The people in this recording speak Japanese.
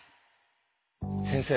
先生